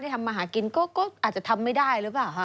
ทำมาหากินก็อาจจะทำไม่ได้หรือเปล่าคะ